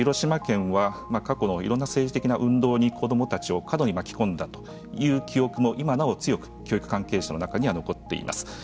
一方で広島県は過去のいろんな政治的な運動に子どもたちを過度に巻き込んだという記憶も今なお強く教育関係者の中には残っています。